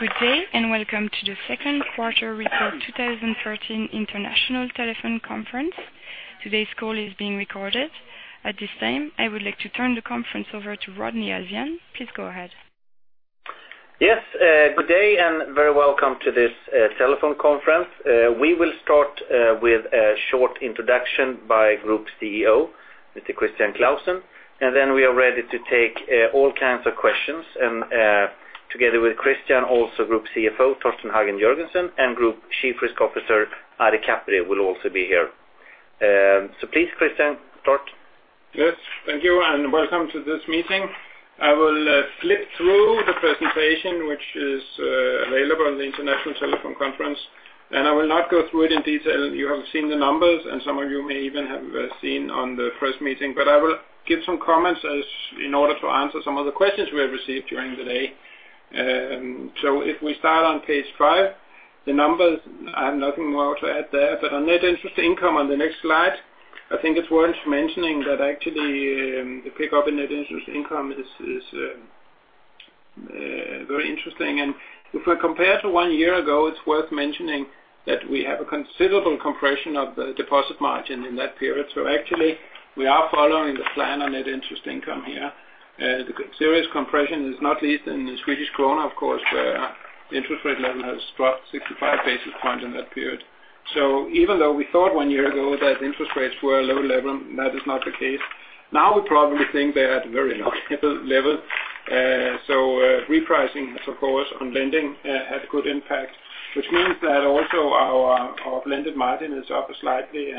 Good day, and welcome to the second quarter record 2013 international telephone conference. Today's call is being recorded. At this time, I would like to turn the conference over to Rodney Alfvén. Please go ahead. Yes. Good day, very welcome to this telephone conference. We will start with a short introduction by Group CEO, Mr. Christian Clausen. Then we are ready to take all kinds of questions. Together with Christian, also Group CFO, Torsten Hagen Jørgensen, and Group Chief Risk Officer, Ari Kaperi, will also be here. Please, Christian, start. Yes, thank you, and welcome to this meeting. I will flip through the presentation, which is available on the international telephone conference. I will not go through it in detail. You have seen the numbers. Some of you may even have seen on the first meeting. I will give some comments in order to answer some of the questions we have received during the day. If we start on page five, the numbers, I have nothing more to add there. On net interest income on the next slide, I think it is worth mentioning that actually, the pickup in net interest income is very interesting. If we compare to one year ago, it is worth mentioning that we have a considerable compression of the deposit margin in that period. Actually, we are following the plan on net interest income here. The serious compression is not least in the Swedish krona, of course, where interest rate level has dropped 65 basis points in that period. Even though we thought one year ago that interest rates were a low level, that is not the case. Now we probably think they are at a very high level. Repricing, of course, on lending had a good impact, which means that also our blended margin is up slightly.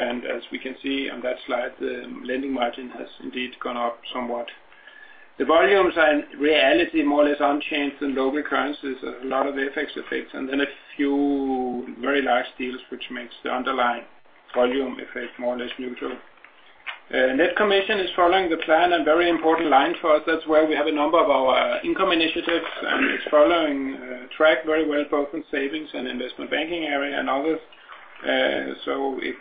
As we can see on that slide, the lending margin has indeed gone up somewhat. The volumes are in reality more or less unchanged in local currencies, a lot of FX effects, then a few very large deals, which makes the underlying volume effect more or less neutral. Net commission is following the plan and very important line for us. That's where we have a number of our income initiatives, and it's following track very well, both in savings and investment banking area and others. If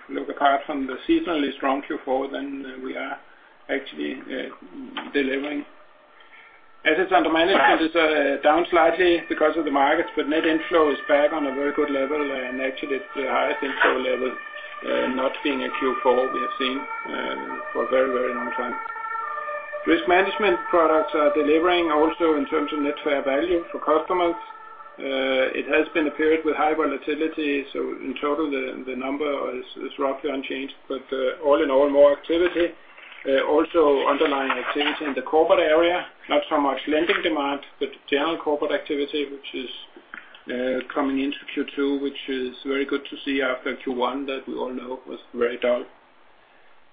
you look apart from the seasonally strong Q4, then we are actually delivering. Assets under management is down slightly because of the markets, but net inflow is back on a very good level and actually the highest inflow level not seen in Q4 we have seen for a very long time. Risk management products are delivering also in terms of net fair value for customers. It has been a period with high volatility, so in total, the number is roughly unchanged, but all in all, more activity. Also underlying activity in the corporate area, not so much lending demand, but general corporate activity, which is coming into Q2, which is very good to see after Q1 that we all know was very dull.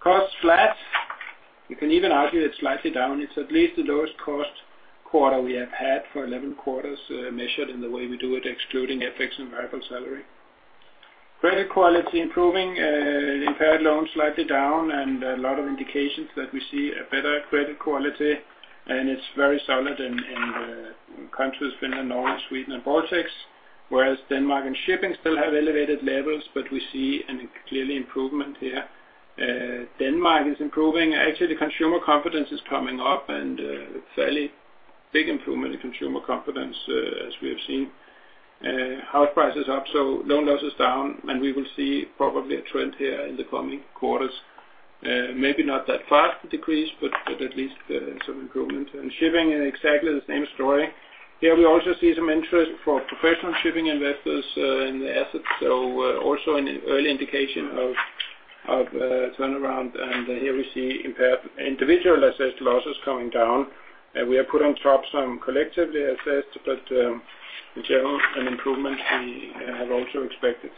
Cost flat. You can even argue it's slightly down. It's at least the lowest cost quarter we have had for 11 quarters, measured in the way we do it, excluding FX and variable salary. Credit quality improving, impaired loans slightly down, and a lot of indications that we see a better credit quality, and it's very solid in countries Finland, Norway, Sweden, and Baltics, whereas Denmark and shipping still have elevated levels, but we see a clear improvement here. Denmark is improving. Actually, consumer confidence is coming up and a fairly big improvement in consumer confidence as we have seen. House prices up, so loan losses down, and we will see probably a trend here in the coming quarters. Maybe not that fast a decrease, but at least some improvement. Shipping is exactly the same story. Here we also see some interest for professional shipping investors in the assets. Also an early indication of a turnaround, and here we see impaired individually assessed losses coming down. We have put on top some collectively assessed, but in general, an improvement we have also expected.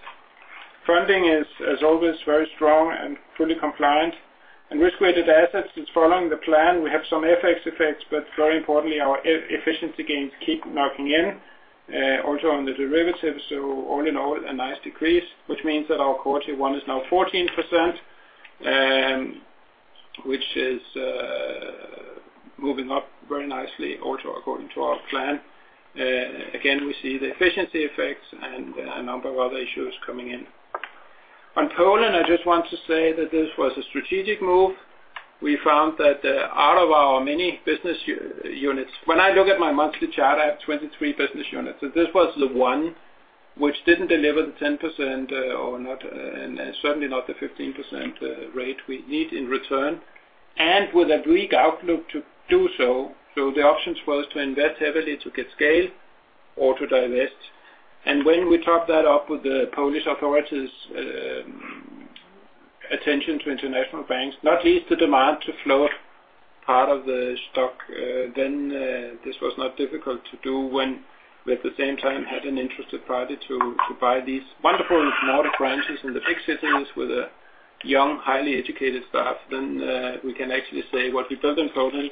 Funding is, as always, very strong and fully compliant, and risk-weighted assets is following the plan. We have some FX effects, but very importantly, our efficiency gains keep knocking in, also on the derivatives. All in all, a nice decrease, which means that our quarter one is now 14%, which is moving up very nicely also according to our plan. Again, we see the efficiency effects and a number of other issues coming in. On Poland, I just want to say that this was a strategic move. We found that out of our many business units, when I look at my monthly chart, I have 23 business units. This was the one which didn't deliver the 10%, or certainly not the 15% rate we need in return. With a bleak outlook to do so, the options was to invest heavily to get scale or to divest. When we top that up with the Polish authorities' attention to international banks, not least the demand to float part of the stock, then this was not difficult to do when we at the same time had an interested party to buy these wonderful modern branches in the big cities with a young, highly educated staff. We can actually say what we built in Poland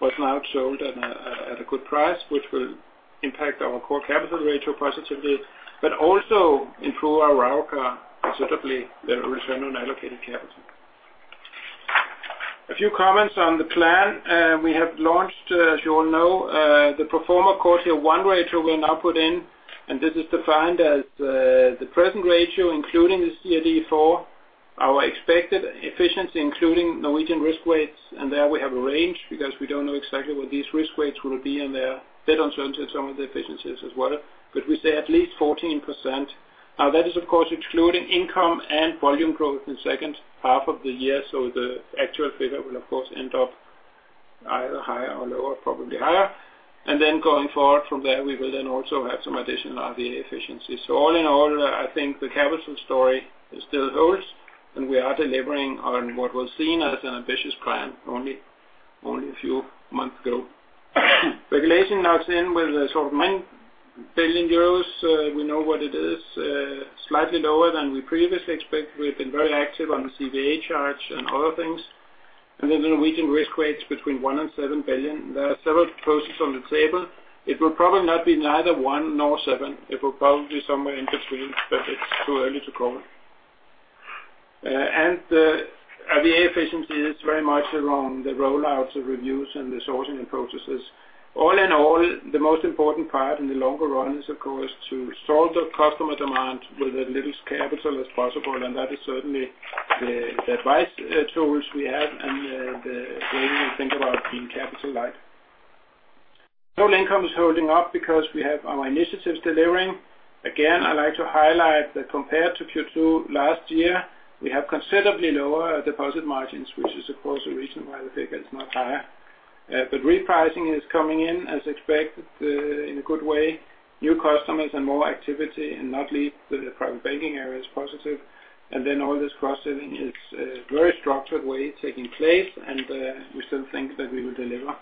was now sold at a good price, which will impact our core capital ratio positively, but also improve our ROAC considerably, the return on allocated capital. A few comments on the plan. We have launched, as you all know, the pro forma Core Tier 1 ratio we now put in. This is defined as the present ratio, including the CRD IV, our expected efficiency, including Norwegian risk weights. There we have a range because we don't know exactly what these risk weights will be, and they're a bit uncertain, some of the efficiencies as well. We say at least 14%. That is of course including income and volume growth in second half of the year, so the actual figure will of course end up either higher or lower, probably higher. Going forward from there, we will then also have some additional RWA efficiency. All in all, I think the capital story still holds, and we are delivering on what was seen as an ambitious plan only a few months ago. Regulation now is in with sort of 9 billion euros. We know what it is, slightly lower than we previously expected. We've been very active on the CVA charge and other things. The Norwegian risk weights between 1 billion and 7 billion. There are several processes on the table. It will probably not be neither one nor seven. It will probably be somewhere in between, but it's too early to call. The RWA efficiency is very much around the rollouts of reviews and the sourcing and processes. All in all, the most important part in the longer run is, of course, to solve the customer demand with as little capital as possible, and that is certainly the right tools we have, and the way we think about being capital light. Total income is holding up because we have our initiatives delivering. Again, I'd like to highlight that compared to Q2 last year, we have considerably lower deposit margins, which is, of course, the reason why the figure is not higher. Repricing is coming in as expected in a good way. New customers and more activity, and not least the private banking area is positive. All this cross-selling is a very structured way taking place, and we still think that we will deliver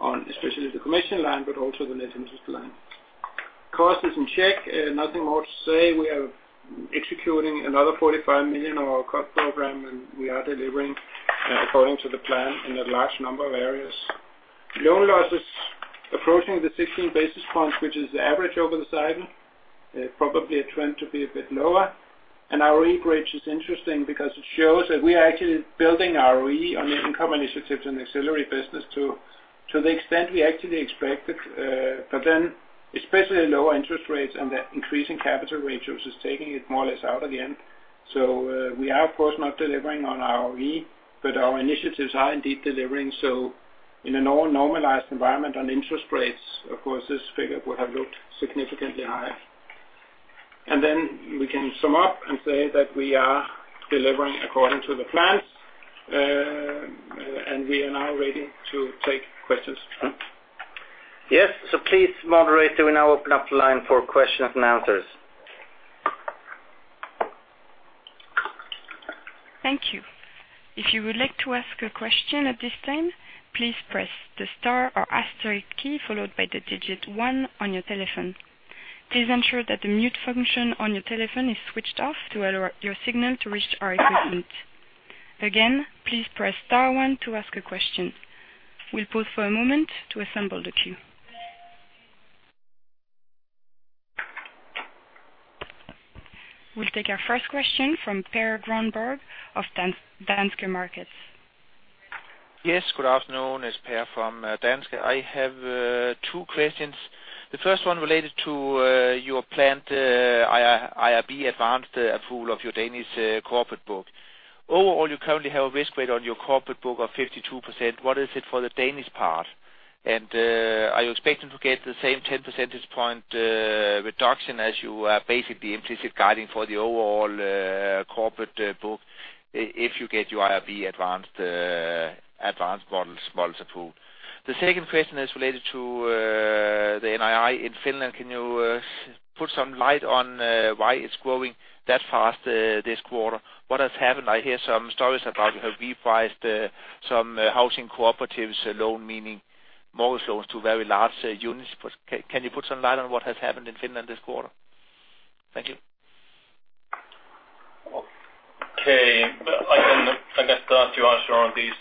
on especially the commission line, but also the net interest line. Cost is in check. Nothing more to say. We are executing another 45 million on our cut program, and we are delivering according to the plan in a large number of areas. Loan loss is approaching the 16 basis points, which is the average over the cycle. Probably a trend to be a bit lower. Our ROE bridge is interesting because it shows that we are actually building our ROE on the income initiatives and ancillary business to the extent we actually expected. Especially lower interest rates and the increasing capital ratios is taking it more or less out again. We are, of course, not delivering on our ROE, but our initiatives are indeed delivering. In a more normalized environment on interest rates, of course, this figure would have looked significantly higher. We can sum up and say that we are delivering according to the plans, and we are now ready to take questions. Yes. Please, moderator, we now open up the line for questions and answers. Thank you. If you would like to ask a question at this time, please press the star or asterisk key, followed by the digit 1 on your telephone. Please ensure that the mute function on your telephone is switched off to allow your signal to reach our equipment. Again, please press star 1 to ask a question. We'll pause for a moment to assemble the queue. We'll take our first question from Per Grönborg of Danske Markets. Yes, good afternoon. It's Per from Danske. I have two questions. The first one related to your planned IRB advanced approval of your Danish corporate book. Overall, you currently have a risk rate on your corporate book of 52%. What is it for the Danish part? Are you expecting to get the same 10 percentage point reduction as you are basically implicit guiding for the overall corporate book if you get your IRB advanced models approved? The second question is related to the NII in Finland. Can you put some light on why it's growing that fast this quarter? What has happened? I hear some stories about you have repriced some housing cooperatives loan, meaning more exposure to very large units. Can you put some light on what has happened in Finland this quarter? Thank you. Okay. I can start to answer on these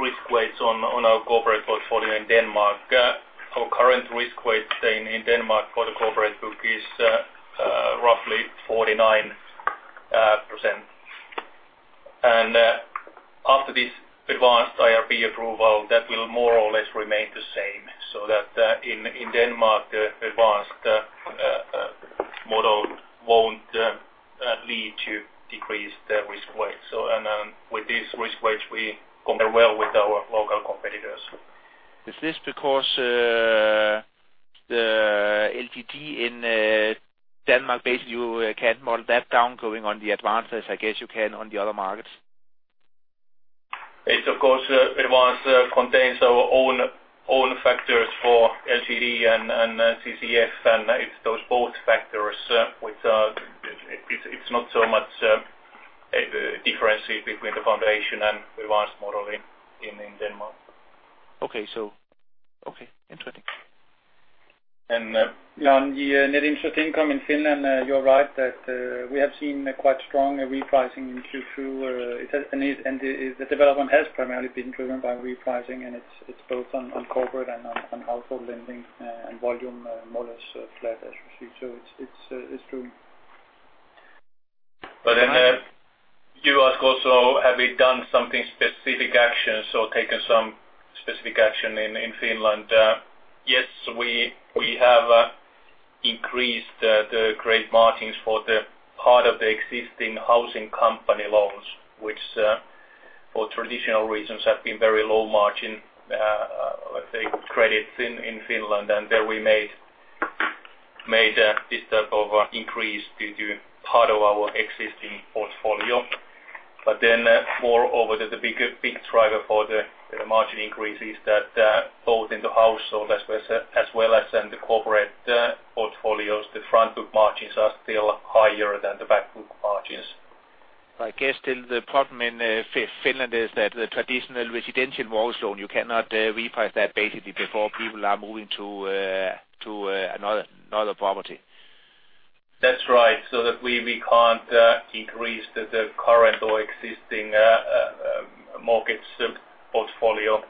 risk weights on our corporate portfolio in Denmark. Our current risk weight in Denmark for the corporate book is roughly 49%. After this advanced IRB approval, that will more or less remain the same, so that in Denmark, the advanced model won't lead to decreased risk weight. With this risk weight, we compare well with our local competitors. Is this because the LGD in Denmark, basically you can't model that down going on the advances, I guess you can on the other markets? It of course advanced contains our own factors for LGD and CCF. It's not so much a difference between the foundation and advanced modeling in Denmark. Okay. Interesting. On the net interest income in Finland, you're right that we have seen quite strong repricing in Q2. The development has primarily been driven by repricing, and it's both on corporate and on household lending, and volume more or less flat as received. It's true. You ask also, have we done something specific actions or taken some specific action in Finland? Yes, we have increased the credit margins for the part of the existing housing company loans, which for traditional reasons have been very low-margin, let's say credits in Finland. There we made this type of increase due to part of our existing portfolio. Moreover, the big driver for the margin increase is that both in the household as well as in the corporate portfolios, the front book margins are still higher than the back book margins. I guess still the problem in Finland is that the traditional residential loan, you cannot reprice that basically before people are moving to another property. That's right. That we can't increase the current or existing mortgage portfolio.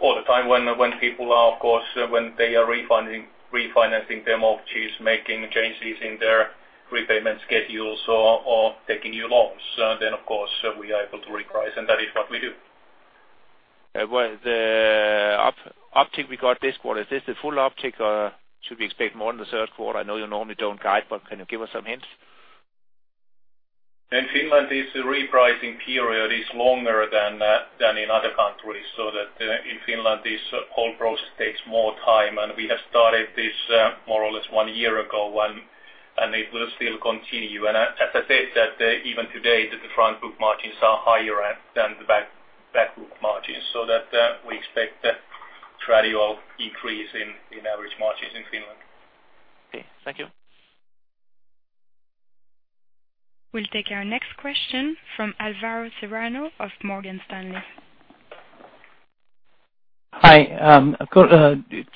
All the time when people are, of course, when they are refinancing their mortgages, making changes in their repayment schedules or taking new loans, of course we are able to reprice and that is what we do. Well, the uptick we got this quarter, is this the full uptick or should we expect more in the third quarter? I know you normally don't guide, can you give us some hints? In Finland this repricing period is longer than in other countries. In Finland this whole process takes more time and we have started this more or less one year ago, and it will still continue. As I said that even today that the front book margins are higher than the back book margins, we expect gradual increase in average margins in Finland. Okay. Thank you. We'll take our next question from Alvaro Serrano of Morgan Stanley. Hi. I've got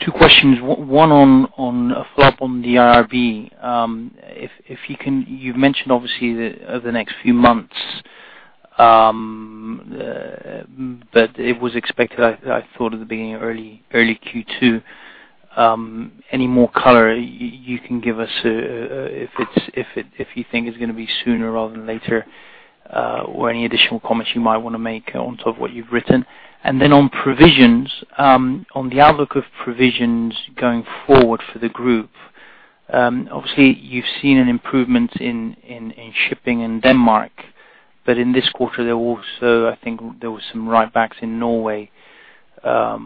two questions. One on a follow-up on the IRB. You've mentioned obviously over the next few months, but it was expected, I thought at the beginning of early Q2. Any more color you can give us if you think it's going to be sooner rather than later, or any additional comments you might want to make on top of what you've written? On provisions, on the outlook of provisions going forward for the group. Obviously you've seen an improvement in shipping in Denmark. In this quarter there also, I think there was some write backs in Norway. How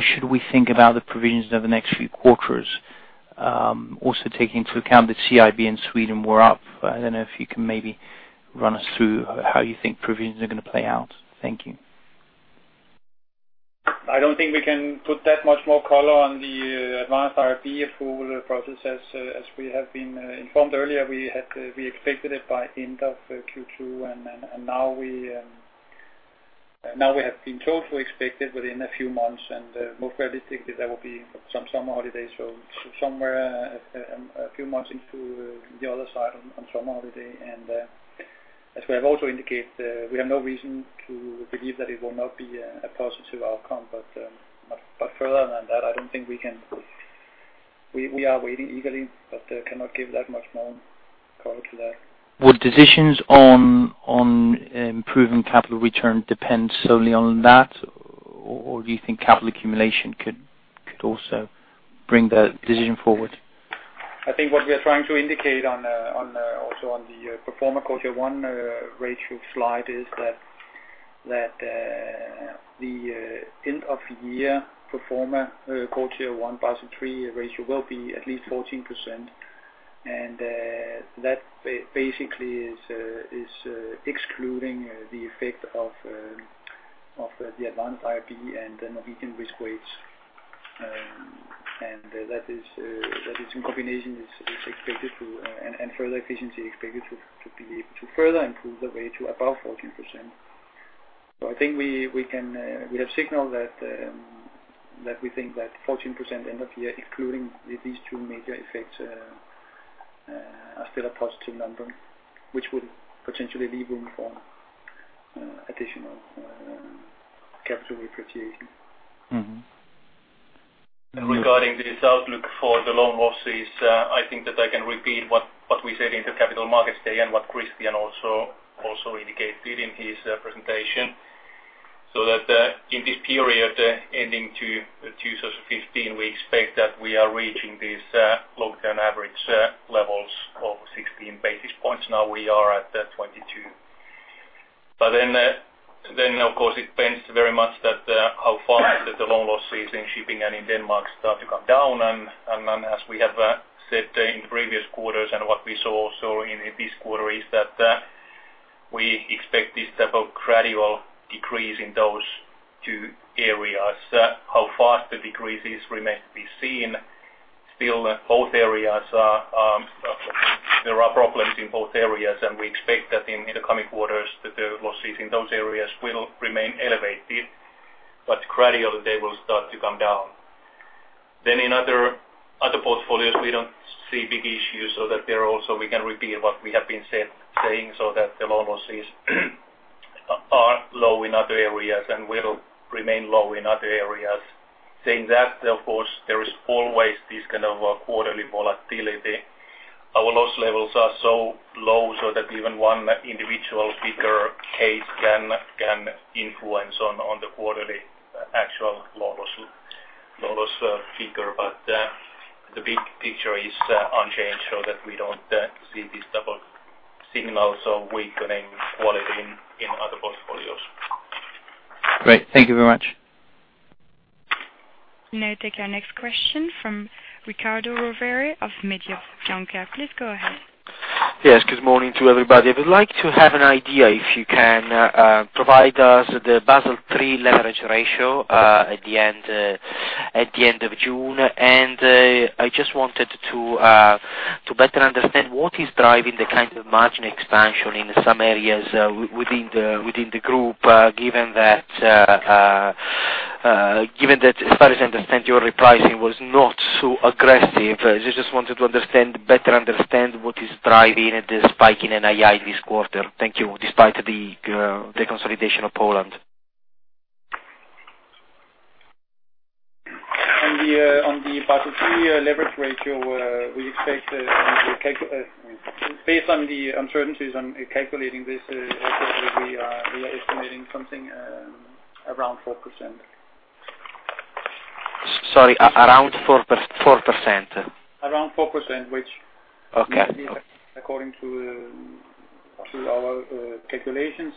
should we think about the provisions over the next few quarters? Also taking into account that CIB and Sweden were up. I don't know if you can maybe run us through how you think provisions are going to play out. Thank you. I don't think we can put that much more color on the Advanced IRB approval process as we have been informed earlier. We expected it by end of Q2, now we have been told to expect it within a few months and most realistically there will be some summer holidays. Somewhere a few months into the other side on summer holiday. As we have also indicated we have no reason to believe that it will not be a positive outcome. Further than that, I don't think we can. We are waiting eagerly but cannot give that much more color to that. Would decisions on improving capital return depend solely on that or do you think capital accumulation could also bring the decision forward? I think what we are trying to indicate also on the pro forma Core Tier 1 ratio slide is that the end of year pro forma Core Tier 1 plus 3 ratio will be at least 14%. That basically is excluding the effect of the Advanced IRB and the Norwegian risk weights. Further efficiency expected to be able to further improve the rate to above 14%. I think we have signaled that we think that 14% end of year, including these two major effects are still a positive number, which would potentially leave room for additional capital repatriation. Regarding this outlook for the loan losses, I think that I can repeat what we said in the Capital Markets Day and what Christian also indicated in his presentation. That in this period ending 2015, we expect that we are reaching these long-term average levels of 16 basis points. Now we are at 22. Then of course it depends very much that how fast that the loan loss rates in shipping and in Denmark start to come down. Then as we have said in previous quarters and what we saw also in this quarter is that we expect this type of gradual decrease in those two areas. How fast the decrease is remains to be seen. There are problems in both areas, we expect that in the coming quarters that the losses in those areas will remain elevated, but gradually they will start to come down. In other portfolios we don't see big issues so that there also we can repeat what we have been saying so that the loan losses are low in other areas and will remain low in other areas. Saying that, of course, there is always this kind of quarterly volatility. Our loss levels are so low so that even one individual bigger case can influence on the quarterly actual loss figure. The big picture is unchanged so that we don't see these type of signals of weakening quality in other portfolios. Great. Thank you very much. Take our next question from Riccardo Rovere of Mediobanca. Please go ahead. Yes, good morning to everybody. I would like to have an idea if you can provide us the Basel III leverage ratio at the end of June. I just wanted to better understand what is driving the kind of margin expansion in some areas within the group, given that as far as I understand, your repricing was not so aggressive. I just wanted to better understand what is driving the spike in NII this quarter. Thank you. Despite the consolidation of Poland. On the Basel III leverage ratio, based on the uncertainties on calculating this, we are estimating something around 4%. Sorry, around 4%? Around 4%, Okay according to our calculations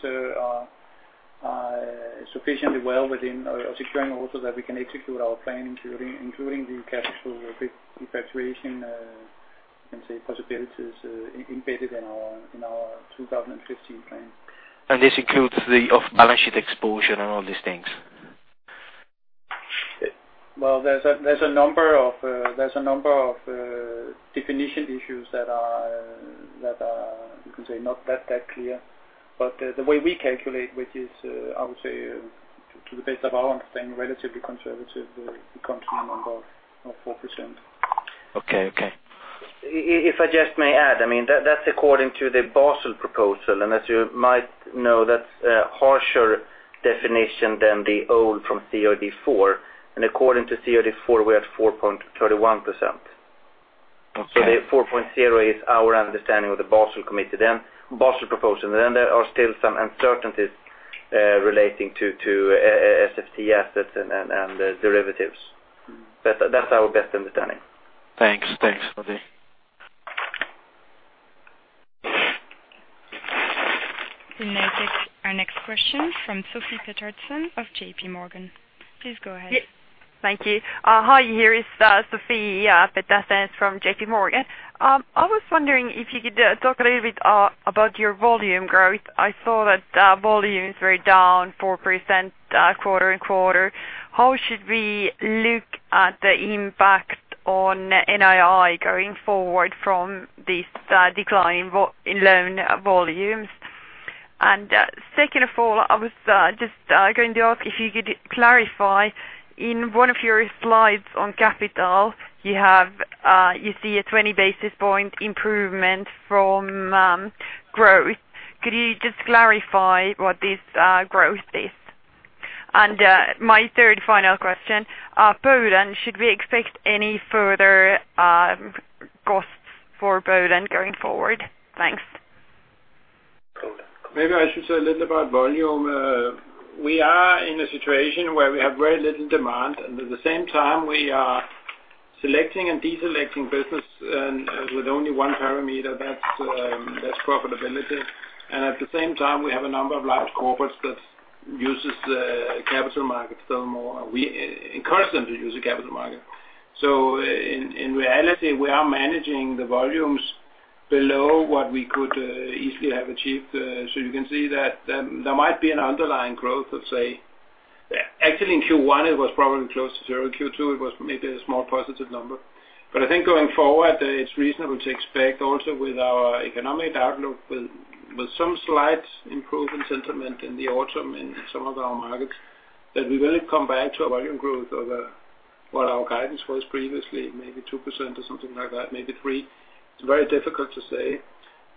are sufficiently well within our securing also that we can execute our plan, including the capital repatriation possibilities embedded in our 2015 plan. This includes the off-balance sheet exposure and all these things? There's a number of definition issues that are not that clear. The way we calculate, which is, I would say, to the best of our understanding, relatively conservative, it comes to a number of 4%. Okay. If I just may add, that's according to the Basel proposal. As you might know, that's a harsher definition than the old from CRD IV. According to CRD IV, we are at 4.31%. Okay. The 4.0 is our understanding of the Basel proposal. Then there are still some uncertainties relating to OTC assets and derivatives. That's our best understanding. Thanks. We'll now take our next question from Sophie Pettersson of JP Morgan. Please go ahead. Yeah. Thank you. Hi, here is Sophie Pettersson from JP Morgan. I was wondering if you could talk a little bit about your volume growth. I saw that volume is very down 4% quarter-on-quarter. How should we look at the impact on NII going forward from this decline in loan volumes? Second of all, I was just going to ask if you could clarify, in one of your slides on capital, you see a 20 basis point improvement from growth. Could you just clarify what this growth is? My third final question, Poland, should we expect any further costs for Poland going forward? Thanks. Maybe I should say a little about volume. We are in a situation where we have very little demand, at the same time, we are selecting and deselecting business with only one parameter, that's profitability. At the same time, we have a number of large corporates that uses the capital markets no more. We encourage them to use the capital market. In reality, we are managing the volumes below what we could easily have achieved. You can see that there might be an underlying growth of say, actually in Q1 it was probably close to zero. Q2 it was maybe a small positive number. I think going forward, it's reasonable to expect also with our economic outlook with some slight improvement sentiment in the autumn in some of our markets, that we will come back to a volume growth of what our guidance was previously, maybe 2% or something like that, maybe three. It's very difficult to say.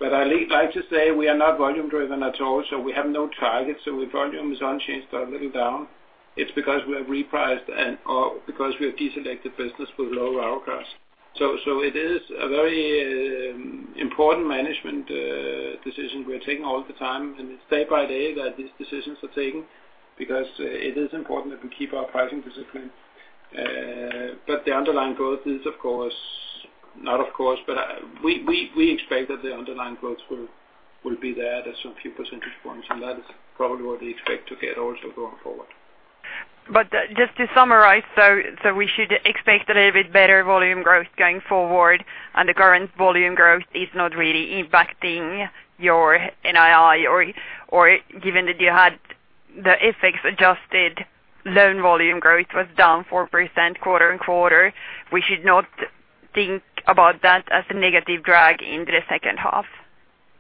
I like to say we are not volume driven at all, we have no target. If volume is unchanged or a little down, it's because we have repriced and/or because we have deselected business with lower ROACs. It is a very important management decision we're taking all the time, it's day by day that these decisions are taken, because it is important that we keep our pricing discipline. The underlying growth is, we expect that the underlying growth will be there. There's some few percentage points, that is probably what we expect to get also going forward. Just to summarize, we should expect a little bit better volume growth going forward, and the current volume growth is not really impacting your NII, or given that you had the FX-adjusted loan volume growth was down 4% quarter-on-quarter, we should not think about that as a negative drag into the second half?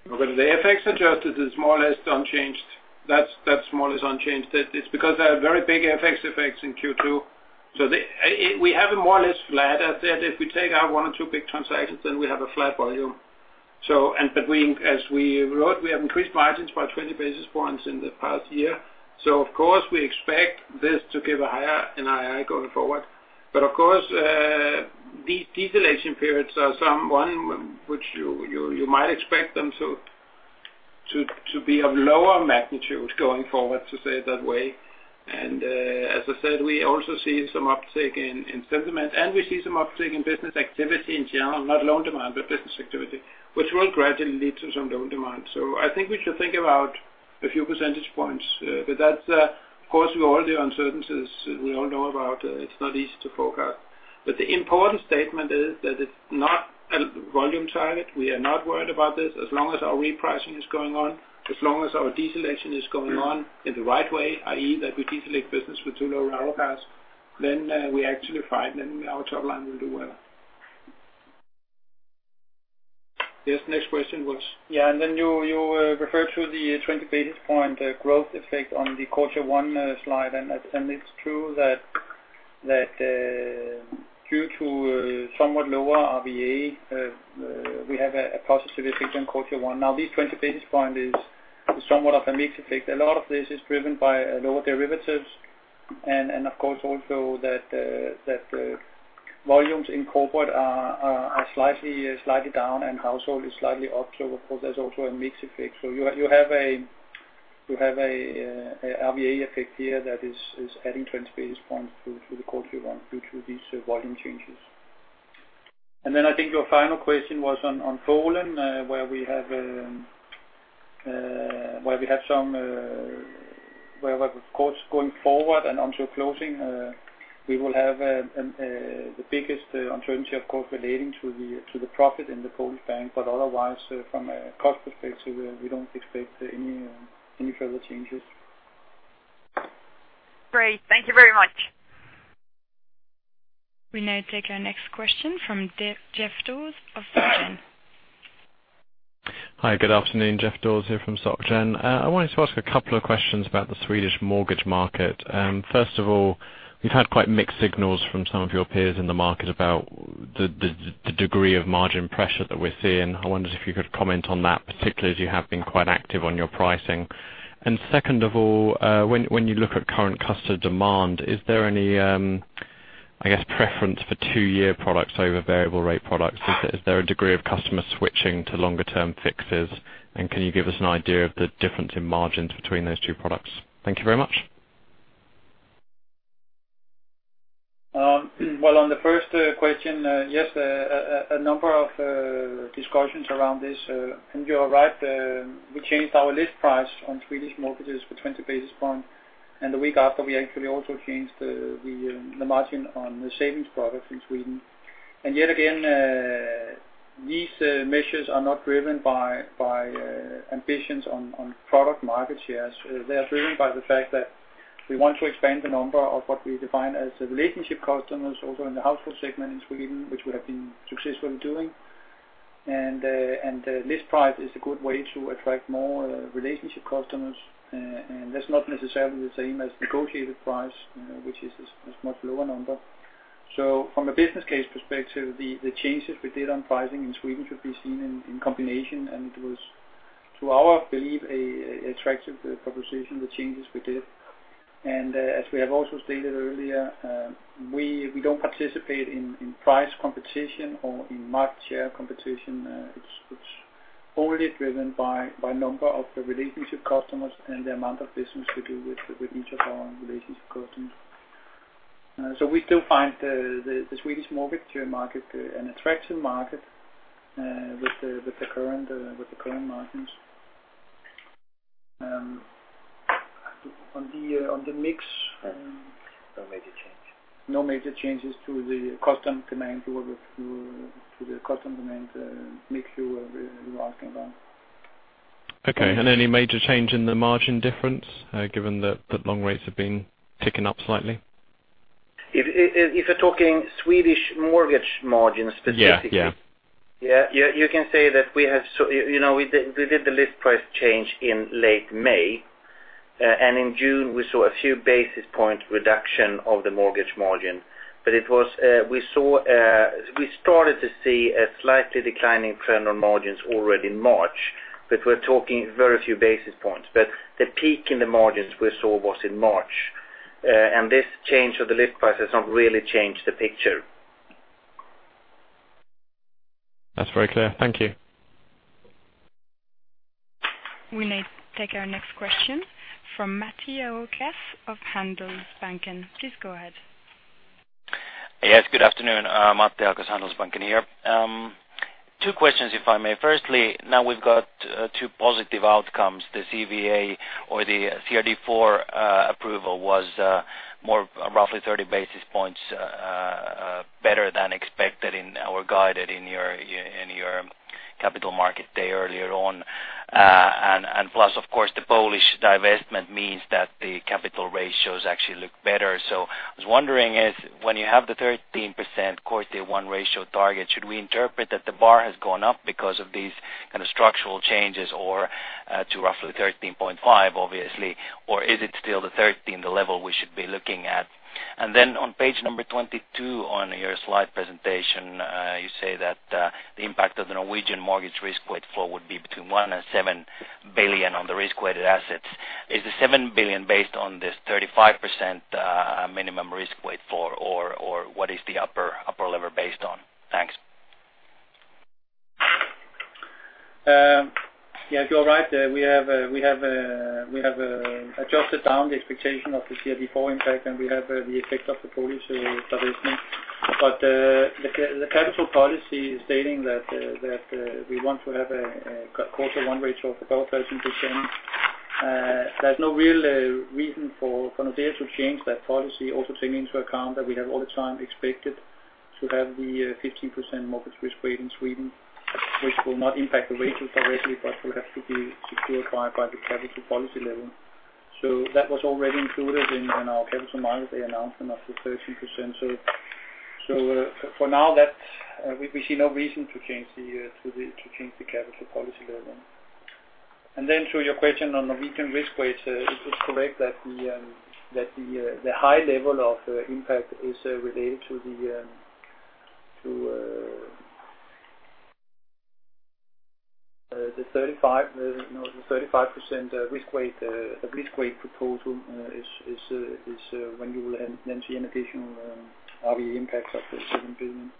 Well, the FX-adjusted is more or less unchanged. That's more or less unchanged. It's because there are very big FX effects in Q2. We have it more or less flat at that. If we take out one or two big transactions, we have a flat volume. As we wrote, we have increased margins by 20 basis points in the past year. Of course, we expect this to give a higher NII going forward. Of course, these deselection periods are some one which you might expect them to be of lower magnitude going forward, to say it that way. As I said, we also see some uptick in sentiment, we see some uptick in business activity in general, not loan demand, but business activity, which will gradually lead to some loan demand. I think we should think about a few percentage points. That, of course, with all the uncertainties we all know about, it's not easy to forecast. The important statement is that it's not a volume target. We are not worried about this as long as our repricing is going on, as long as our deselection is going on in the right way, i.e., that we deselect business with too low ROACs, then we actually find then our top line will do well. Yes, next question was? You referred to the 20 basis points growth effect on the quarter one slide. It's true that due to somewhat lower RWA, we have a positive effect on quarter one. These 20 basis points is somewhat of a mixed effect. A lot of this is driven by lower derivatives, of course, also that the volumes in corporate are slightly down, and household is slightly up. Of course, there's also a mixed effect. You have a RWA effect here that is adding 20 basis points to the quarter one due to these volume changes. I think your final question was on Poland, where of course, going forward and until closing, we will have the biggest uncertainty, of course, relating to the profit in the Polish bank. Otherwise, from a cost perspective, we don't expect any further changes. Great. Thank you very much. We now take our next question from Geoff Dawes of Societe Generale. Hi, good afternoon. Geoff Dawes here from Societe Generale. I wanted to ask a couple of questions about the Swedish mortgage market. First of all, we've had quite mixed signals from some of your peers in the market about the degree of margin pressure that we're seeing. I wondered if you could comment on that, particularly as you have been quite active on your pricing. Second of all, when you look at current customer demand, is there any, I guess, preference for two-year products over variable rate products? Is there a degree of customer switching to longer-term fixes? Can you give us an idea of the difference in margins between those two products? Thank you very much. Well, on the first question, yes, a number of discussions around this. You are right, we changed our list price on Swedish mortgages for 20 basis points, and the week after, we actually also changed the margin on the savings product in Sweden. Yet again, these measures are not driven by ambitions on product market shares. They are driven by the fact that we want to expand the number of what we define as relationship customers, also in the household segment in Sweden, which we have been successfully doing. List price is a good way to attract more relationship customers. That's not necessarily the same as negotiated price, which is a much lower number. From a business case perspective, the changes we did on pricing in Sweden should be seen in combination, and it was, to our belief, an attractive proposition, the changes we did. As we have also stated earlier, we don't participate in price competition or in market share competition. It's only driven by number of the relationship customers and the amount of business we do with each of our relationship customers. We still find the Swedish mortgage market an attractive market with the current margins. On the mix- No major change. No major changes to the customer demand mix you were asking about. Okay. Any major change in the margin difference, given that long rates have been ticking up slightly? If you're talking Swedish mortgage margins specifically. Yeah. You can say that we did the list price change in late May, and in June we saw a few basis points reduction of the mortgage margin. We started to see a slightly declining trend on margins already in March, but we're talking very few basis points. The peak in the margins we saw was in March. This change of the list price has not really changed the picture. That's very clear. Thank you. We may take our next question from Matti Ahokas of Handelsbanken. Please go ahead. Yes. Good afternoon. Matti Ahokas, Handelsbanken here. two questions, if I may. Firstly, now we've got two positive outcomes. The CVA or the CRD IV approval was roughly 30 basis points better than expected or guided in your Capital Markets Day earlier on. Plus, of course, the Polish divestment means that the capital ratios actually look better. So I was wondering if when you have the 13% quarter one ratio target, should we interpret that the bar has gone up because of these kind of structural changes or to roughly 13.5% obviously, or is it still the 13% the level we should be looking at? Then on page number 22 on your slide presentation, you say that the impact of the Norwegian mortgage risk weight floor would be between 1 billion and 7 billion on the risk-weighted assets. Is the 7 billion based on this 35% minimum risk weight floor, or what is the upper level based on? Thanks. You're right. We have adjusted down the expectation of the CRD IV impact, and we have the effect of the Polish provisioning. The capital policy is stating that we want to have a Core Tier 1 ratio of above 13%. There's no real reason for Nordea to change that policy, also taking into account that we have all the time expected to have the 15% mortgage risk weight in Sweden, which will not impact the ratio directly but will have to be secured by the capital policy level. That was already included in our Capital Markets Day announcement of the 13%. For now, we see no reason to change the capital policy level. To your question on Norwegian risk weights, it is correct that the high level of impact is related to the 35% risk weight proposal is when you will then see an additional RWA impact of 7 billion.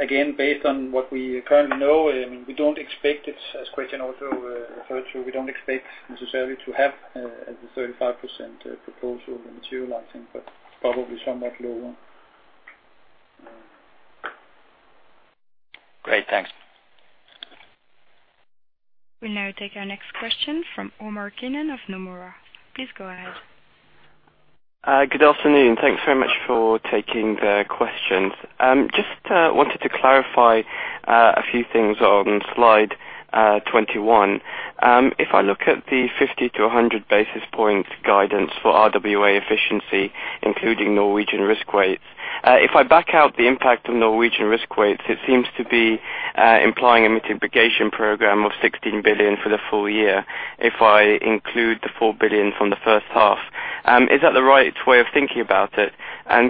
Again, based on what we currently know, as Christian also referred to, we don't expect necessarily to have the 35% proposal materializing, but probably somewhat lower. Great. Thanks. We'll now take our question from Omar Keenan of Nomura. Please go ahead. Good afternoon. Thanks very much for taking the questions. Just wanted to clarify a few things on slide 21. If I look at the 50 to 100 basis point guidance for RWA efficiency, including Norwegian risk weights, if I back out the impact of Norwegian risk weights, it seems to be implying a mitigation program of 16 billion for the full year if I include the 4 billion from the first half. Is that the right way of thinking about it?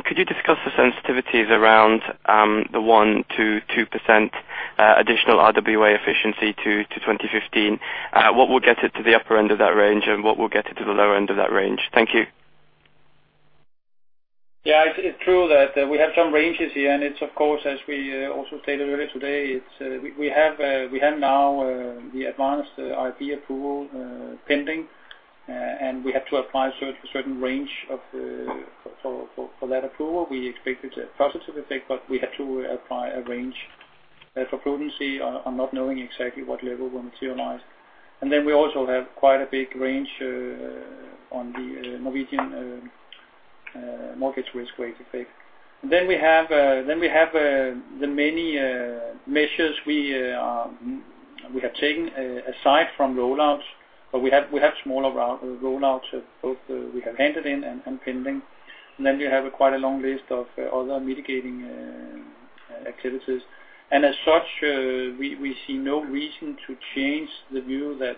Could you discuss the sensitivities around the 1%-2% additional RWA efficiency to 2015? What will get it to the upper end of that range, and what will get it to the lower end of that range? Thank you. It's true that we have some ranges here, it's of course as we also stated earlier today, we have now the Advanced IRB approval pending, and we have to apply a certain range for that approval. We expect it's a positive effect, but we have to apply a range for prudency on not knowing exactly what level will materialize. We also have quite a big range on the Norwegian mortgage risk weight effect. We have the many measures we have taken aside from roll-outs, but we have smaller roll-outs, both we have handed in and pending. We have quite a long list of other mitigating activities. As such, we see no reason to change the view that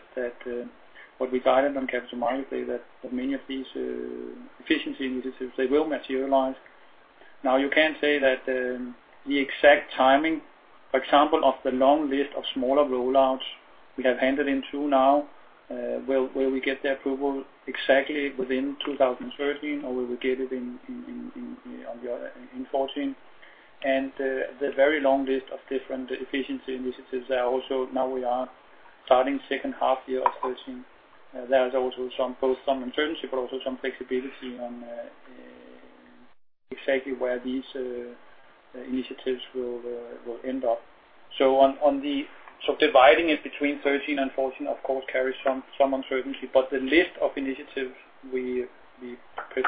what we guided on Capital Markets Day, that many of these efficiency initiatives, they will materialize. You can say that the exact timing, for example, of the long list of smaller roll-outs we have handed in to now, will we get the approval exactly within 2013, or will we get it in 2014? The very long list of different efficiency initiatives are also now we are starting second half year of 2013. There is also both some uncertainty but also some flexibility on exactly where these initiatives will end up. Dividing it between 2013 and 2014, of course, carries some uncertainty, but the list of initiatives we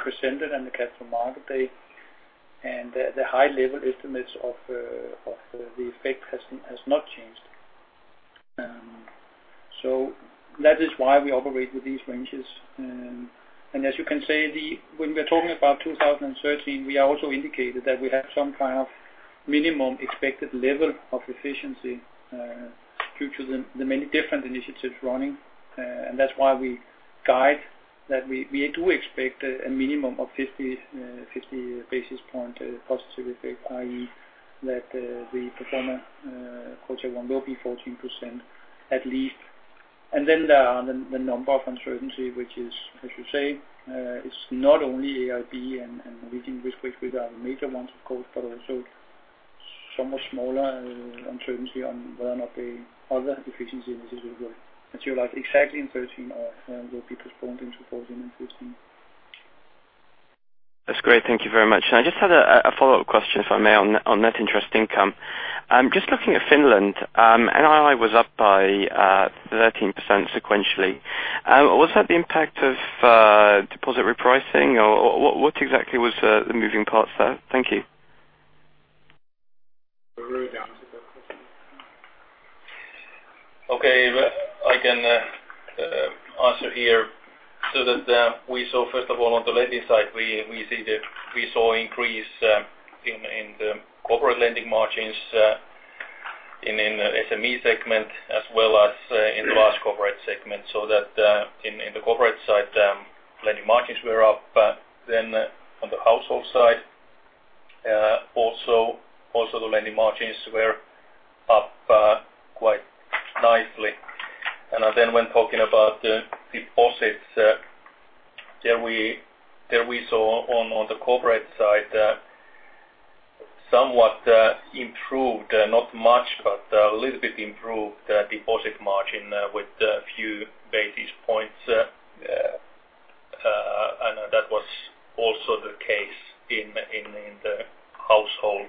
presented on the Capital Markets Day and the high-level estimates of the effect has not changed. That is why we operate with these ranges. As you can say, when we are talking about 2013, we also indicated that we have some kind of minimum expected level of efficiency due to the many different initiatives running. That's why we guide that we do expect a minimum of 50 basis point positive effect, i.e., that the pro forma Core Tier 1 will be 14% at least. There are the number of uncertainty, which is, as you say, it's not only IRB and Norwegian risk weight, which are the major ones, of course, but also somewhat smaller uncertainty on whether or not the other efficiency initiatives will materialize exactly in 2013 or will be postponed into 2014 and 2015. That's great. Thank you very much. I just had a follow-up question, if I may, on net interest income. Just looking at Finland, NII was up by 13% sequentially. Was that the impact of deposit repricing, or what exactly was the moving parts there? Thank you. Rune, do you want to take that question? Okay. I can answer here. We saw, first of all, on the lending side, we saw increase in the corporate lending margins in SME segment as well as in the large corporate segment, in the corporate side, lending margins were up, on the household side also the lending margins were up quite nicely. When talking about deposits there we saw on the corporate side somewhat improved, not much, but a little bit improved deposit margin with a few basis points. That was also the case in the household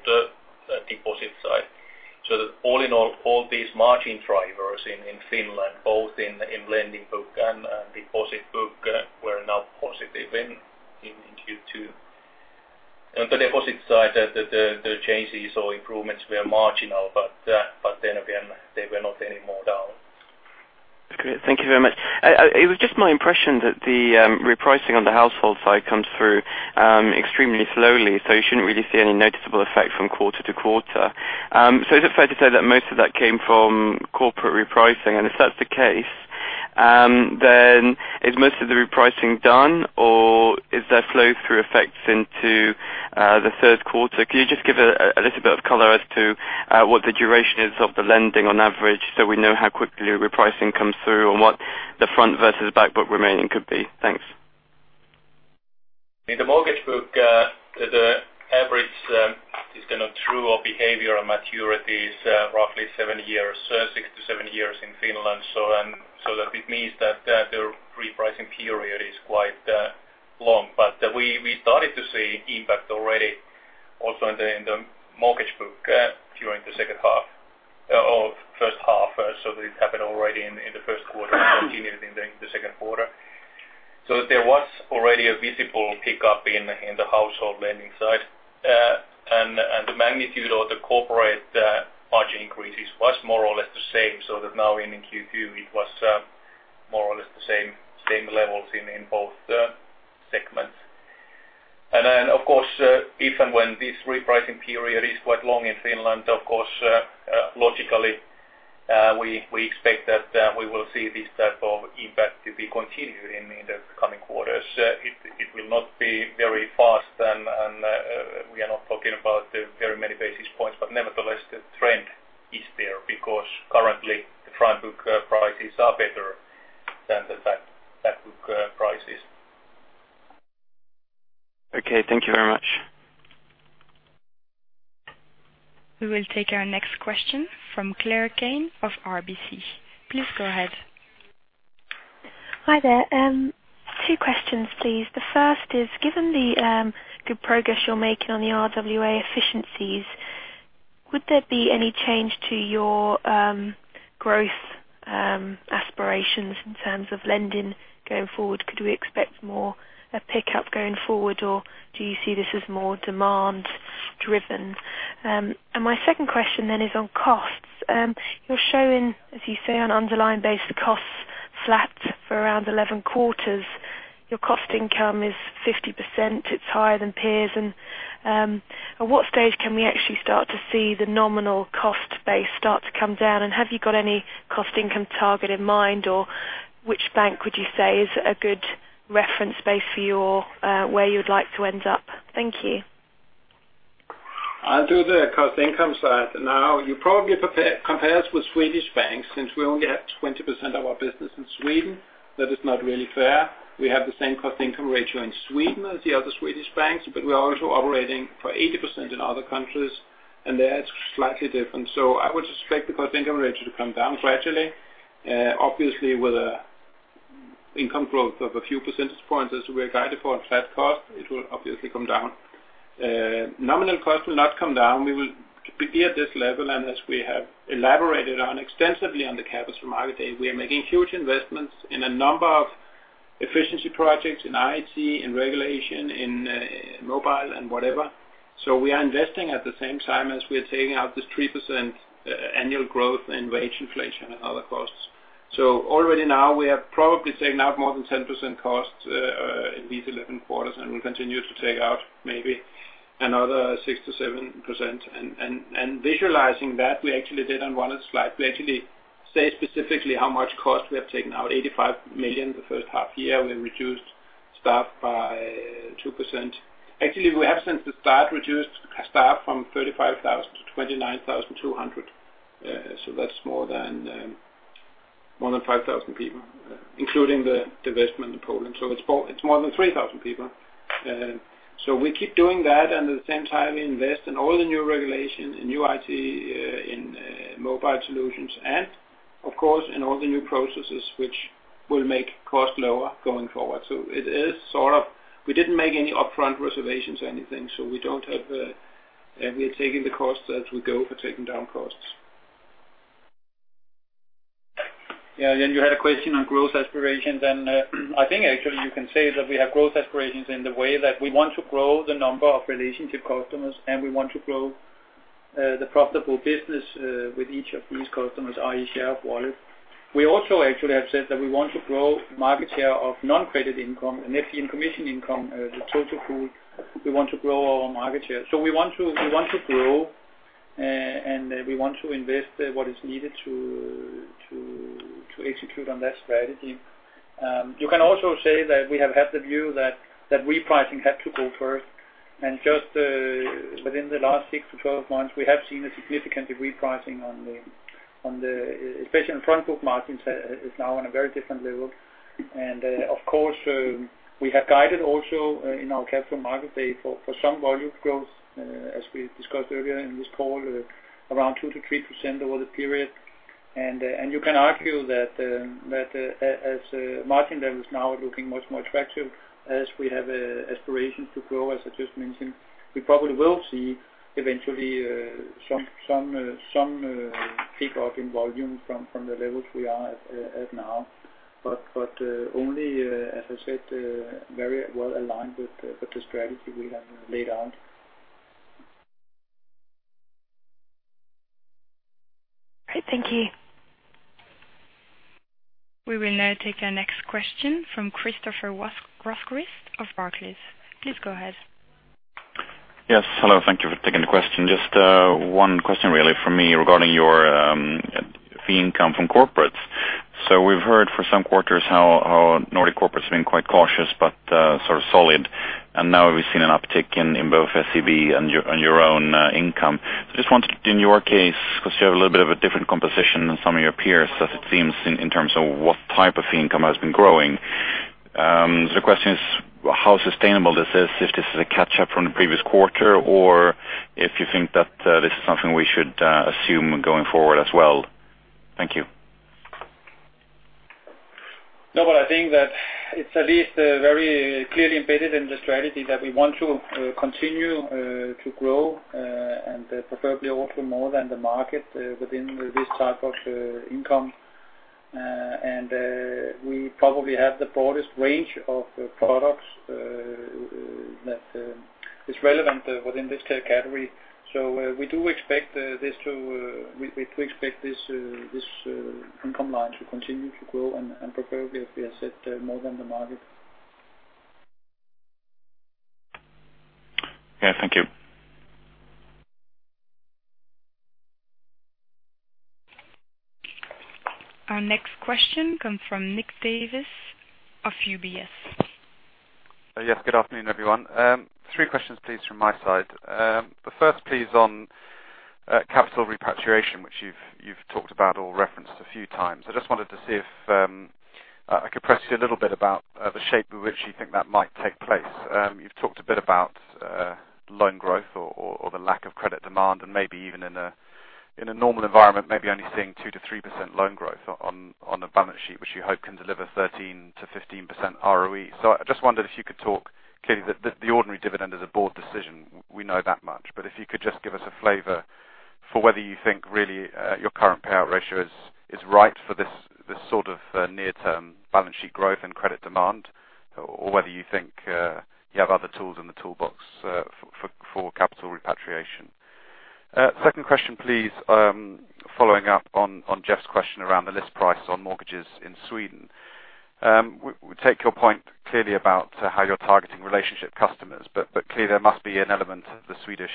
deposit side. All in all these margin drivers in Finland, both in lending book and deposit book, were now positive in Q2. On the deposit side the changes or improvements were marginal again they were not any more down. Great. Thank you very much. It was just my impression that the repricing on the household side comes through extremely slowly, you shouldn't really see any noticeable effect from quarter to quarter. Is it fair to say that most of that came from corporate repricing? If that's the case, is most of the repricing done or is there flow through effects into the third quarter? Can you just give a little bit of color as to what the duration is of the lending on average, so we know how quickly repricing comes through and what the front versus back book remaining could be? Thanks. In the mortgage book, the average is through our behavior and maturities roughly seven years, six to seven years in Finland. It means that their repricing period is quite long. We started to see impact already also in the mortgage book during the first half. It happened already in the first quarter and continued in the second quarter. There was already a visible pickup in the household lending side. The magnitude of the corporate margin increases was more or less the same. Now in Q2 it was more or less the same levels in both segments. Then, of course, if and when this repricing period is quite long in Finland, of course, logically we expect that we will see this type of impact to be continued in the coming quarters. It will not be very fast and we are not talking about very many basis points, but nevertheless, the trend is there because currently the front book prices are better than the back book prices. Okay. Thank you very much. We will take our next question from Claire Kane of RBC. Please go ahead. Hi there. 2 questions please. The first is, given the good progress you're making on the RWA efficiencies, would there be any change to your growth aspirations in terms of lending going forward? Could we expect more a pickup going forward, or do you see this as more demand driven? My second question is on costs. You're showing, as you say, on underlying basis, costs flat for around 11 quarters. Your cost income is 50%, it's higher than peers. At what stage can we actually start to see the nominal cost base start to come down? Have you got any cost income target in mind, or which bank would you say is a good reference base for where you would like to end up? Thank you. I'll do the cost income side. You probably compare us with Swedish banks since we only have 20% of our business in Sweden. That is not really fair. We have the same cost-income ratio in Sweden as the other Swedish banks, but we're also operating for 80% in other countries, and there it's slightly different. I would expect the cost-income ratio to come down gradually. Obviously with an income growth of a few percentage points as we have guided for on flat cost, it will obviously come down. Nominal cost will not come down. We will be at this level. As we have elaborated on extensively on the Capital Markets Day, we are making huge investments in a number of efficiency projects in IT, in regulation, in mobile and whatever. We are investing at the same time as we're taking out this 3% annual growth in wage inflation and other costs. Already now we have probably taken out more than 10% costs in these 11 quarters, and we continue to take out maybe another 6%-7%. Visualizing that we actually did on one slide. We actually say specifically how much cost we have taken out, 85 million the first half year. We reduced staff by 2%. Actually, we have since the start reduced staff from 35,000 to 29,200. That's more than 5,000 people, including the divestment in Poland. It's more than 3,000 people. We keep doing that and at the same time we invest in all the new regulation, in new IT, in mobile solutions and, of course, in all the new processes which will make cost lower going forward. We didn't make any upfront reservations or anything. We are taking the costs as we go for taking down costs. Yeah. You had a question on growth aspirations, and I think actually you can say that we have growth aspirations in the way that we want to grow the number of relationship customers, and we want to grow the profitable business with each of these customers, i.e., share of wallet. We also actually have said that we want to grow market share of non-credit income and fee and commission income, the total pool, we want to grow our market share. We want to grow, and we want to invest what is needed to execute on that strategy. You can also say that we have had the view that repricing had to go first, and just within the last 6-12 months, we have seen a significant repricing, especially on front book margins is now on a very different level. Of course, we have guided also in our Capital Markets Day for some volume growth, as we discussed earlier in this call, around 2%-3% over the period. You can argue that as margin levels now are looking much more attractive as we have aspirations to grow, as I just mentioned, we probably will see eventually some kickoff in volume from the levels we are at now. Only, as I said, very well aligned with the strategy we have laid out. Great. Thank you. We will now take our next question from Christoffer Rosquist of Barclays. Please go ahead. Yes, hello. Thank you for taking the question. Just one question really from me regarding your fee income from corporates. We've heard for some quarters how Nordic corporates have been quite cautious but sort of solid, and now we've seen an uptick in both SEB and your own income. I just wanted to, in your case, because you have a little bit of a different composition than some of your peers as it seems in terms of what type of income has been growing. The question is how sustainable this is, if this is a catch-up from the previous quarter, or if you think that this is something we should assume going forward as well. Thank you. No, but I think that it's at least very clearly embedded in the strategy that we want to continue to grow, and preferably also more than the market within this type of income. We probably have the broadest range of products that is relevant within this category. We do expect this income line to continue to grow and preferably, as we have said, more than the market. Yeah, thank you. Our next question comes from Nick Davis of UBS. Yes, good afternoon, everyone. Three questions, please, from my side. The first please, on capital repatriation, which you've talked about or referenced a few times. I just wanted to see if I could press you a little bit about the shape of which you think that might take place. You've talked a bit about loan growth or the lack of credit demand, and maybe even in a normal environment, maybe only seeing 2%-3% loan growth on a balance sheet, which you hope can deliver 13%-15% ROE. I just wondered if you could talk clearly, the ordinary dividend is a board decision, we know that much, but if you could just give us a flavor for whether you think really your current payout ratio is right for this sort of near-term balance sheet growth and credit demand, or whether you think you have other tools in the toolbox for capital repatriation. Second question, please, following up on Geoff's question around the list price on mortgages in Sweden. We take your point clearly about how you're targeting relationship customers, but clearly there must be an element of the Swedish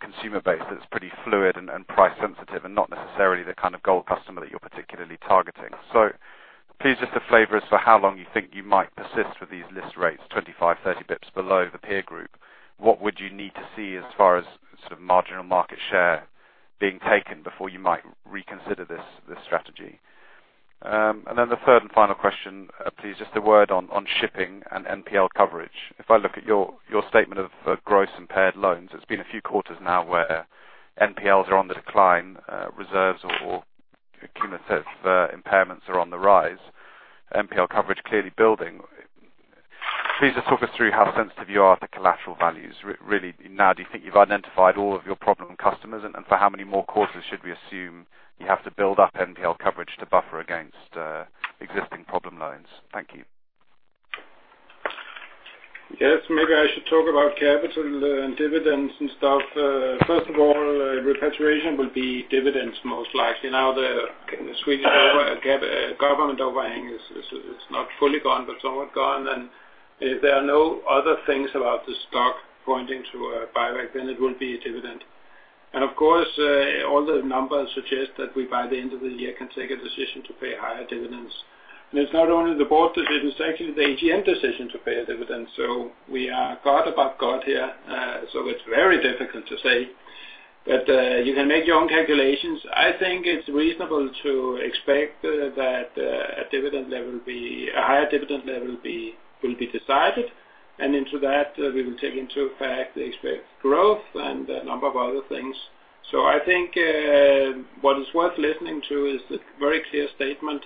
consumer base that's pretty fluid and price sensitive and not necessarily the kind of gold customer that you're particularly targeting. Please, just to flavor us for how long you think you might persist with these list rates, 25, 30 basis points below the peer group. What would you need to see as far as sort of marginal market share being taken before you might reconsider this strategy? The third and final question, please, just a word on shipping and NPL coverage. If I look at your statement of gross impaired loans, it's been a few quarters now where NPLs are on the decline, reserves or cumulative impairments are on the rise, NPL coverage clearly building. Please just talk us through how sensitive you are to collateral values, really. Now, do you think you've identified all of your problem customers, and for how many more quarters should we assume you have to build up NPL coverage to buffer against existing problem loans? Thank you. Yes. Maybe I should talk about capital and dividends and stuff. First of all, repatriation will be dividends, most likely. The Swedish government overhang is not fully gone, but somewhat gone, and if there are no other things about the stock pointing to a buyback, then it will be a dividend. All the numbers suggest that we, by the end of the year, can take a decision to pay higher dividends. It's not only the board decision, it's actually the AGM decision to pay a dividend. We are god above god here, so it's very difficult to say. You can make your own calculations. I think it's reasonable to expect that a higher dividend level will be decided, and into that, we will take into effect the expected growth and a number of other things. I think what is worth listening to is the very clear statement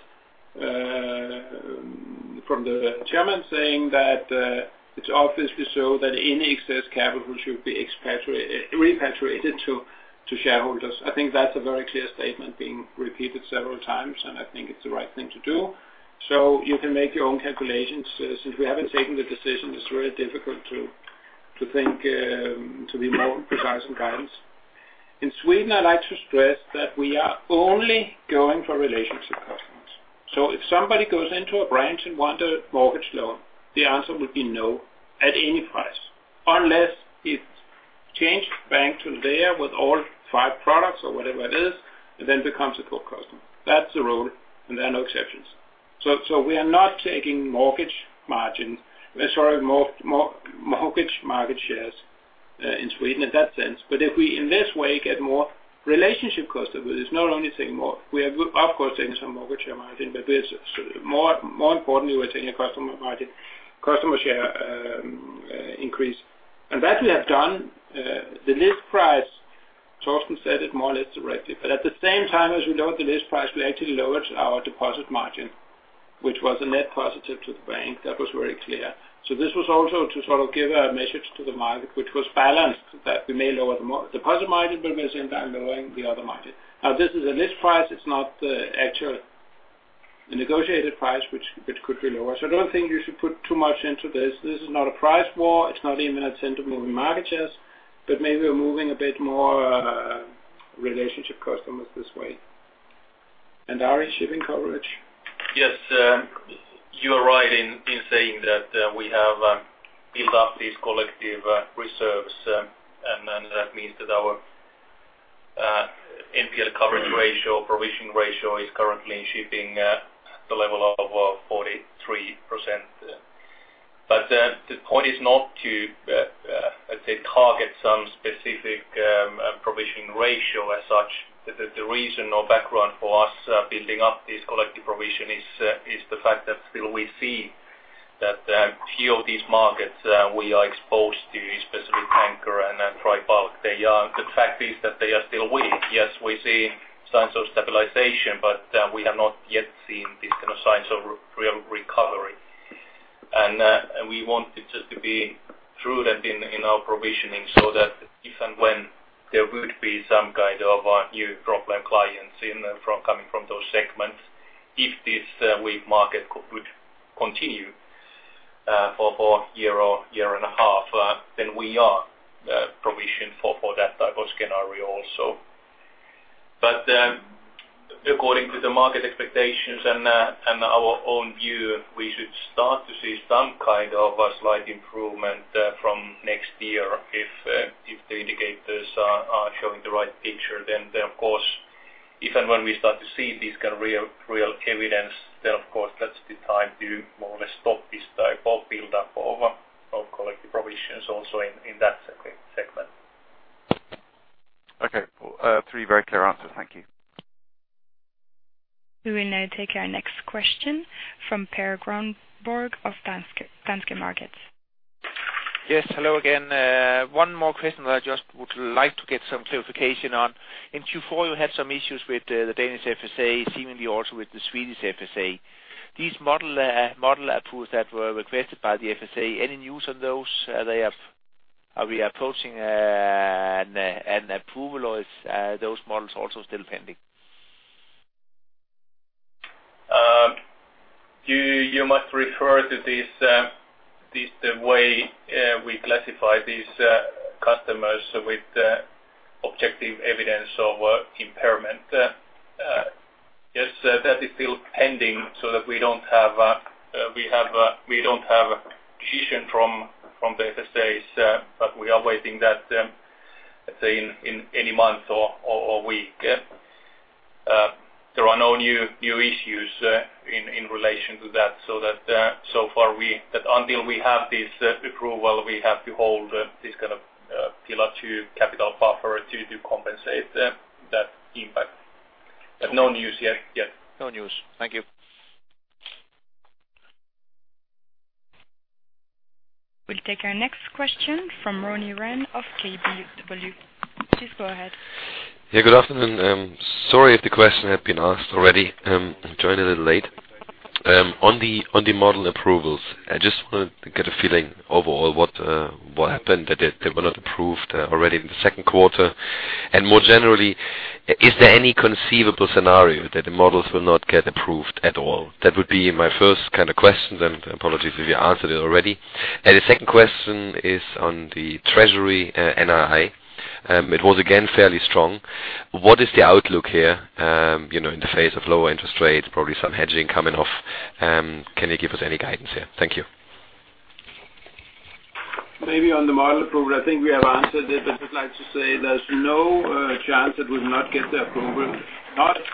From the chairman saying that it's obviously so that any excess capital should be repatriated to shareholders. I think that's a very clear statement being repeated several times, and I think it's the right thing to do. You can make your own calculations since we haven't taken the decision, it's very difficult to be more precise in guidance. In Sweden, I'd like to stress that we are only going for relationship customers. If somebody goes into a branch and wants a mortgage loan, the answer would be no at any price. Unless it changed bank to there with all five products or whatever it is, and then becomes a core customer. That's the rule and there are no exceptions. We are not taking mortgage market shares in Sweden in that sense. If we in this way get more relationship customers, it's not only taking more. We are of course taking some mortgage share margin, more importantly, we're taking a customer share increase. That we have done the list price, Torsten said it more or less directly. At the same time as we lower the list price, we actually lowered our deposit margin, which was a net positive to the bank. That was very clear. This was also to give a message to the market, which was balanced, that we may lower the deposit margin, we are saying that we are lowering the other margin. Now this is a list price. It's not the actual negotiated price, which could be lower. I don't think you should put too much into this. This is not a price war. It's not even a cent of moving market shares, maybe we're moving a bit more relationship customers this way. Ari shipping coverage. Yes. You are right in saying that we have built up these collective reserves, that means that our NPL coverage ratio, provisioning ratio is currently sitting at the level of 43%. The point is not to let's say target some specific provisioning ratio as such. The reason or background for us building up this collective provision is the fact that still we see that few of these markets we are exposed to, specifically tanker and dry bulk. The fact is that they are still weak. Yes, we see signs of stabilization, we have not yet seen these signs of real recovery. We wanted just to be prudent in our provisioning so that if and when there would be some kind of new problem clients coming from those segments, if this weak market would continue for a year or year and a half, we are provisioned for that type of scenario also. According to the market expectations and our own view, we should start to see some kind of a slight improvement from next year if the indicators are showing the right picture, then of course. If and when we start to see this real evidence, of course that's the time to more or less stop this type of build-up of collective provisions also in that segment. Okay. Three very clear answers. Thank you. We will now take our next question from Per Grönborg of Danske Markets. Yes. Hello again. One more question that I just would like to get some clarification on. In Q4, you had some issues with the Danish FSA, seemingly also with the Swedish FSA. These model approvals that were requested by the FSA. Any news on those? Are we approaching an approval or are those models also still pending? You must refer to this the way we classify these customers with objective evidence of impairment. Yes, that is still pending so that we don't have a decision from the FSAs, but we are waiting that, let's say, in any month or week. There are no new issues in relation to that. Far until we have this approval, we have to hold this kind of Pillar 2 capital buffer to compensate that impact. No news yet. No news. Thank you. We'll take our next question from Ronnie Ren of KBW. Please go ahead. Good afternoon. Sorry if the question has been asked already. I joined a little late. On the model approvals, I just want to get a feeling overall what happened that they were not approved already in the second quarter. More generally, is there any conceivable scenario that the models will not get approved at all? That would be my first question. Apologies if you answered it already. The second question is on the treasury NII. It was again fairly strong. What is the outlook here in the face of lower interest rates, probably some hedging coming off? Can you give us any guidance here? Thank you. Maybe on the model approval, I think we have answered it, but I'd just like to say there's no chance that we'll not get the approval.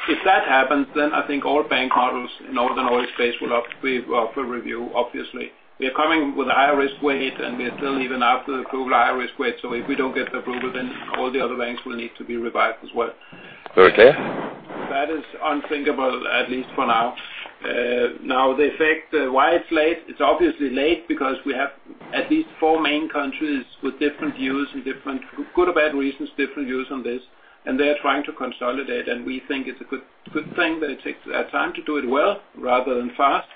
If that happens, then I think all bank models in Northern Europe space will be up for review, obviously. We are coming with a higher risk weight and we are still even after the approval higher risk weight. If we don't get the approval, then all the other banks will need to be revised as well. Okay. That is unthinkable, at least for now. The effect, why it's late, it's obviously late because we have at least four main countries with different views and good or bad reasons, different views on this. They're trying to consolidate, and we think it's a good thing that it takes time to do it well rather than fast.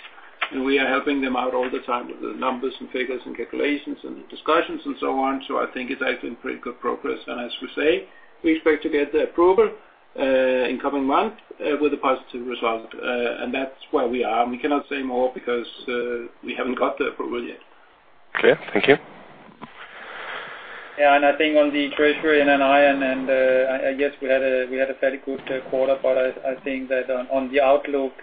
We are helping them out all the time with the numbers and figures and calculations and the discussions and so on. I think it's actually in pretty good progress. As we say, we expect to get the approval in coming months with a positive result. That's where we are. We cannot say more because we haven't got the approval yet. Okay, thank you. Yeah. I think on the treasury and NII, I guess we had a fairly good quarter, but I think that on the outlook,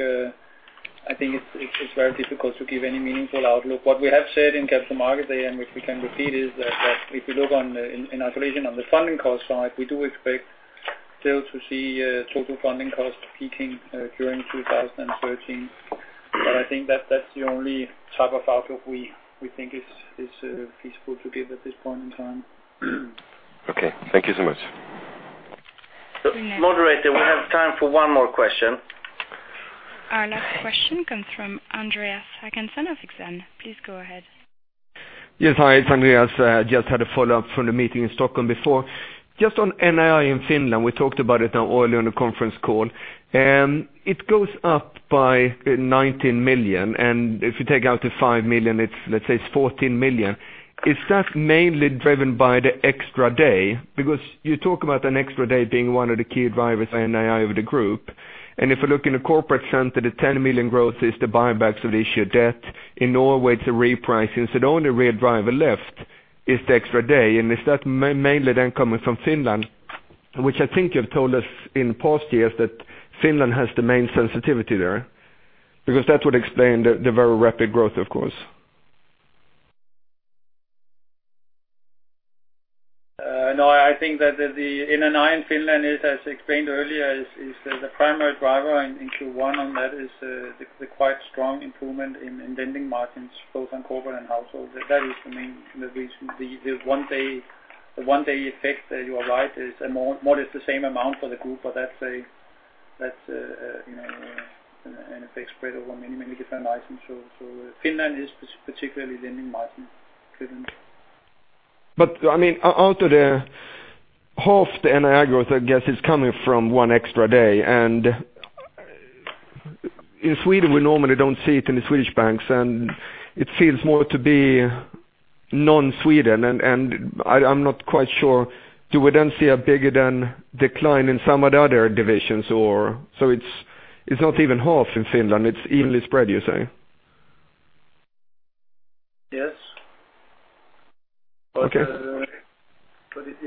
I think it's very difficult to give any meaningful outlook. What we have said in Capital Markets Day, which we can repeat, is that if you look in isolation on the funding cost side, we do expect still to see total funding cost peaking during 2013. I think that's the only type of outlook we think is feasible to give at this point in time. Okay. Thank you so much. Moderator, we have time for one more question. Our last question comes from Andreas Håkansson of IGZ. Please go ahead. Yes. Hi, it's Andreas. I just had a follow-up from the meeting in Stockholm before. Just on NII in Finland, we talked about it earlier in the conference call, it goes up by 19 million, and if you take out the 5 million, let's say it's 14 million. Is that mainly driven by the extra day? Because you talk about an extra day being one of the key drivers of NII of the group. If you look in the corporate center, the 10 million growth is the buybacks of the issued debt. In Norway, it's a repricing. So the only real driver left is the extra day. Is that mainly then coming from Finland? Which I think you've told us in past years that Finland has the main sensitivity there. That would explain the very rapid growth, of course. I think that the NII in Finland is as explained earlier, is the primary driver into one on that is the quite strong improvement in lending margins both on corporate and household. That is the main reason. The one day effect that you are right is more or less the same amount for the group. That's spread over many different items. Finland is particularly lending margin driven. Out of the half the NII growth, I guess, is coming from one extra day. In Sweden, we normally don't see it in the Swedish banks, and it seems more to be non-Sweden, and I'm not quite sure. Do we then see a bigger than decline in some of the other divisions, or it's not even half in Finland, it's evenly spread, you say? Yes. Okay.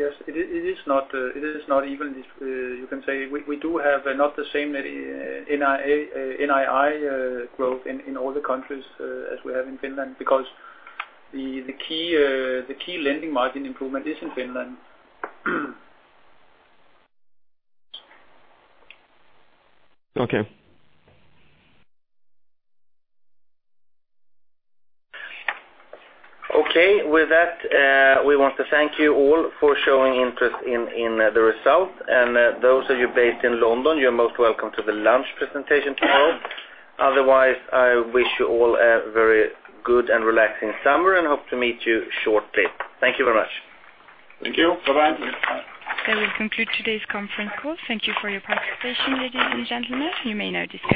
Yes, it is not even if you can say we do have not the same NII growth in all the countries as we have in Finland because the key lending margin improvement is in Finland. Okay. Okay. With that, we want to thank you all for showing interest in the result. Those of you based in London, you're most welcome to the lunch presentation tomorrow. Otherwise, I wish you all a very good and relaxing summer, and hope to meet you shortly. Thank you very much. Thank you. Bye-bye. That will conclude today's conference call. Thank you for your participation, ladies and gentlemen. You may now disconnect.